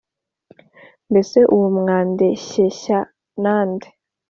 mbese ubu mwandeshyeshya na nde,